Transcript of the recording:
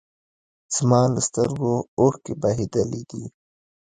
زما له سترګو اوښکې بهېدلي دي